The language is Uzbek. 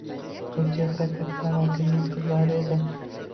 Gulchehra katta amakimning qizlari edi